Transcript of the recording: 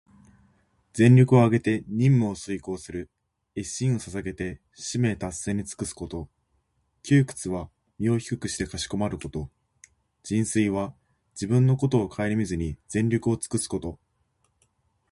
全力をあげて任務を遂行する、一身を捧げて使命達成に尽くすこと。「鞠躬」は身を低くしてかしこまること。「尽瘁」は自分のことをかえりみずに、全力をつくすこと。